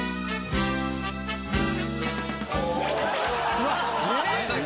うわっ！